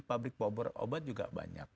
fabrik obat juga banyak